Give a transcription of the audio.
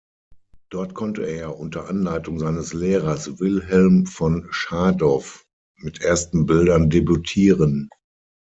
Dort konnte er unter Anleitung seines Lehrers Wilhelm von Schadow mit ersten Bildern debütieren.